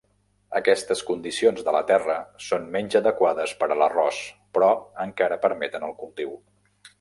Aquestes condicions de la terra són menys adequades per a l'arròs, però encara permeten el cultiu.